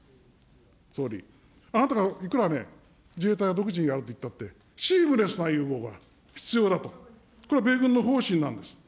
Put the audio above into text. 総理、あなたがいくらね、自衛隊が独自にやると言ったって、シームレスな融合が必要だと、これは米軍の方針なんです。